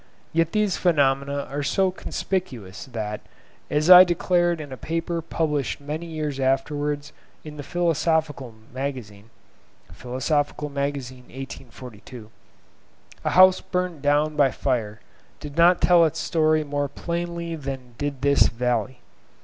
Yet these phenomena are so conspicuous that, as I declared in a paper published many years afterwards in the 'Philosophical Magazine' ('Philosophical Magazine,' 1842.), a house burnt down by fire did not tell its story more plainly than did this valley.